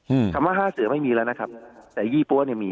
อืมคำว่าห้าเสือไม่มีแล้วนะครับแต่ยี่ปั้วเนี้ยมี